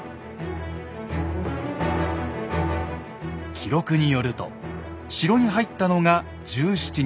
記録によると城に入ったのが１７日。